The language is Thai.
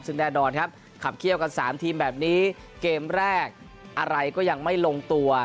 ซึ่งแน่นอนครับขับเขี้ยวกัน๓ทีมแบบนี้เกมแรกอะไรก็ยังไม่ลงตัว